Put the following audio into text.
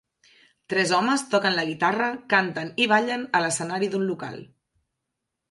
Tres homes toquen la guitarra, canten i ballen a l'escenari d'un local.